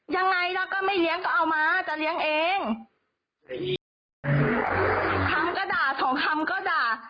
ยังไงแล้วก็ไม่เลี้ยงก็เอามาจะเลี้ยงเองครั้งก็ด่าสองคำก็ด่า